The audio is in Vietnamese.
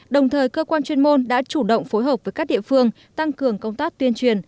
đồng thời cơ quan chuyên môn đã chủ động phối hợp với các địa phương tăng cường công tác tuyên truyền